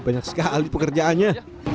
banyak sekali pekerjaannya